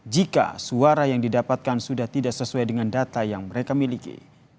jika suara yang didapatkan sudah tidak sesuai dengan data yang mereka miliki